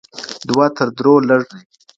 دوه تر درو لږ دي.